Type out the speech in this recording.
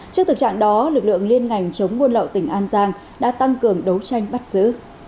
trước thực trạng đó lực lượng liên ngành chống buôn lậu tỉnh an giang đã tăng cường đấu tranh bắt giữ